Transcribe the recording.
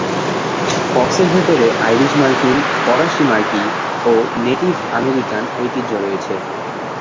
ফক্সের ভেতরে আইরিশ-মার্কিন, ফরাসি-মার্কি, ও নেটিভ আমেরিকান ঐতিহ্য রয়েছে।